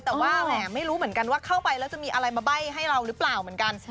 แต่ว่าแหมไม่รู้เหมือนกันว่าเข้าไปแล้วจะมีอะไรมาใบ้ให้เราหรือเปล่าเหมือนกัน